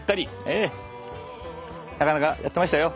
ええなかなかやってましたよ。